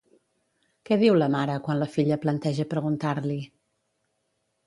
Què diu la mare quan la filla planteja preguntar-li?